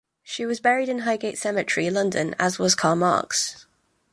She was buried in Highgate Cemetery, London, as was Karl Marx.